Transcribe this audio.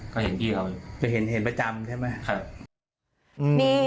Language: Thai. ก็เห็นพี่เขาจะเห็นประจำใช่ไหม